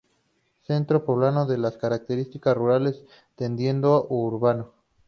Centro poblado de características rurales tendiendo a urbano.